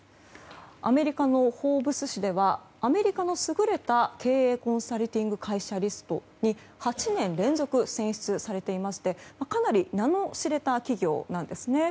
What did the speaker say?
アメリカの「フォーブス」誌ではアメリカの優れた経営コンサルティング会社リストに８年連続選出されていましてかなり名の知れた企業です。